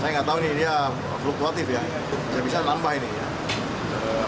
saya nggak tahu nih dia fluktuatif ya saya bisa nambah ini ya